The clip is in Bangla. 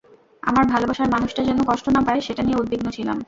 আমার ভালবাসার মানুষটা যেন কষ্ট না পায় সেটা নিয়ে উদ্বিগ্ন ছিলাম।